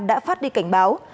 đã đi cảnh báo